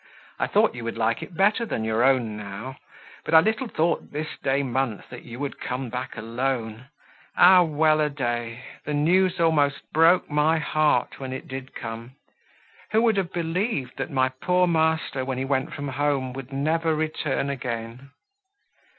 "I thought you would like it better than your own now; but I little thought this day month, that you would come back alone. A well a day! the news almost broke my heart, when it did come. Who would have believed, that my poor master, when he went from home, would never return again!"